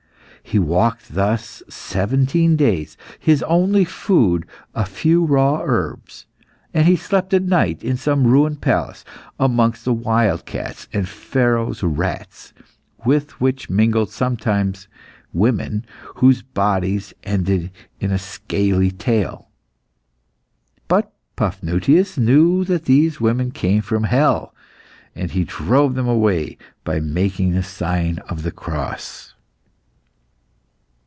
He walked thus seventeen days, his only food a few raw herbs, and he slept at night in some ruined palace, amongst the wild cats and Pharaoh's rats, with which mingled sometimes, women whose bodies ended in a scaly tail. But Paphnutius knew that these women came from hell, and he drove them away by making the sign of the cross.